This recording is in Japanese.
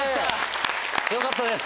よかったです。